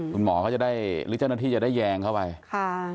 คุณหมอเขาจะได้หรือเจ้าหน้าที่จะได้แยงเข้าไปค่ะ